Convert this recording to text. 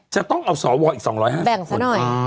จะต้องเอาสอวออีก๒๕๐คน